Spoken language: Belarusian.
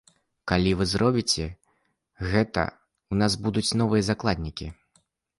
Калі вы зробіце гэта, у нас будуць новыя закладнікі.